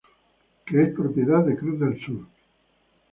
Que es propiedad de Cruz del Sur.